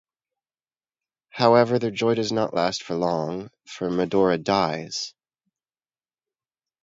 However, their joy does not last for long, for Medora dies.